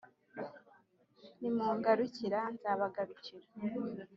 Nimungarukira nzabagarukira